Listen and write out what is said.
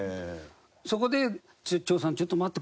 そこで「長さんちょっと待ってくれ」と。